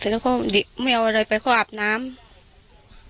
อาบน้ำหนูยังไม่กล้าออกมาเยี่ยวหนูไปไหนหนูบอกว่าแฟนไปด้วย